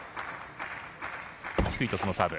低いトスのサーブ。